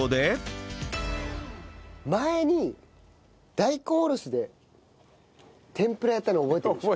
前に大根おろしで天ぷらやったの覚えてるでしょ？